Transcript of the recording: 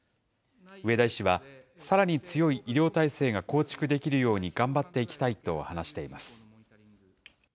上田医師は、さらに強い医療体制が構築できるように頑張っていきたいと話しています。